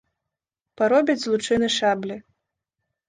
Паробяць з лучыны шаблі.